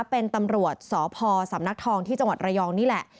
เป็นตำรวจสพสำนักทองที่จังหวัดระยองนี่แหละ